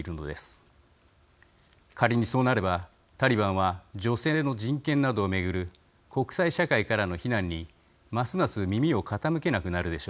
仮にそうなればタリバンは女性の人権などを巡る国際社会からの非難にますます耳を傾けなくなるでしょう。